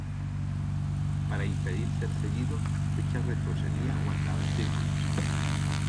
Para impedir ser seguido, Richard retrocedía, o andaba en círculos.